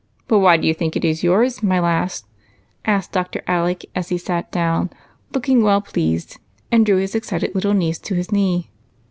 But why do you think it is yours, my lass ?" asked Dr. Alec, as he sat down look ing well pleased, and drew his excited little niece to his knee.